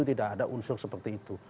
tidak ada unsur seperti itu